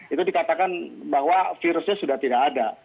itu dikatakan bahwa virusnya sudah tidak ada